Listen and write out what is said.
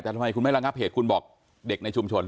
แต่ทำไมคุณไม่ระงับเหตุคุณบอกเด็กในชุมชน